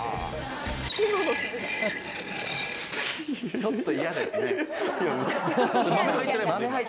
ちょっと嫌ですね。